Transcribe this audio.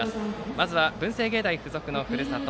まずは、文星芸大付属のふるさと